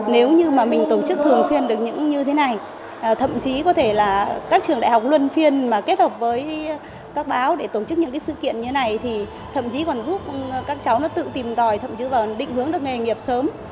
nếu như mà mình tổ chức thường xuyên được những như thế này thậm chí có thể là các trường đại học luân phiên mà kết hợp với các báo để tổ chức những cái sự kiện như thế này thì thậm chí còn giúp các cháu nó tự tìm tòi thậm chí vào định hướng được nghề nghiệp sớm